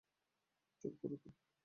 চুপ করো তো।